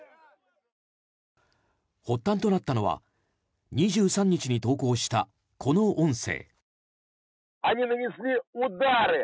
発端となったのは２３日に投稿したこの音声。